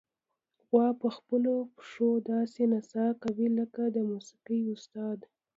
غوا په خپلو پښو داسې نڅا کوي لکه د موسیقۍ استاد.